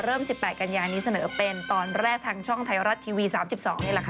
๑๘กันยานี้เสนอเป็นตอนแรกทางช่องไทยรัฐทีวี๓๒นี่แหละค่ะ